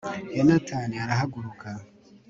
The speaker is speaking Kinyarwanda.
yonatani arahaguruka